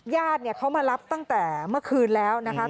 ญาติเขามารับตั้งแต่เมื่อคืนแล้วนะคะ